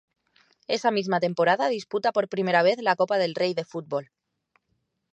Esa misma temporada disputa por primera vez la Copa del Rey de fútbol.